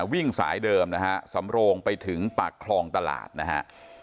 วิ่งสายเดิมนะฮะสำโรงไปถึงปากคลองตลาดนะฮะ